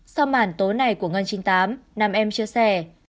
sau mản tố này của ngân chín mươi tám nam em chia sẻ